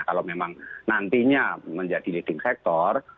kalau memang nantinya menjadi leading sector